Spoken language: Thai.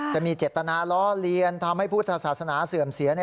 จะมีเจตนาล้อเลียนทำให้พุทธศาสนาเสื่อมเสีย